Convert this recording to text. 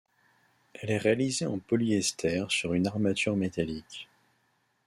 Elle est réalisée en polyester sur une armature métallique.